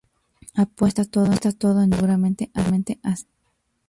Apuesta todo en Dios, y seguramente a sí mismo.